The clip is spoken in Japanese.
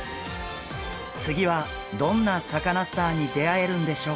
次はどんなサカナスターに出会えるんでしょうか。